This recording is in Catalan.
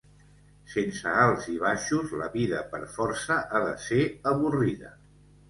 Sense alts i baixos, la vida per força ha de ser avorrida.